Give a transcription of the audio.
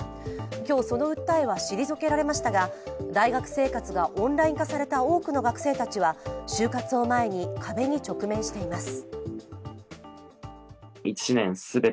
今日、その訴えは退けられましたが大学生活がオンライン化された多くの学生たちは就活を前に壁に直面しています。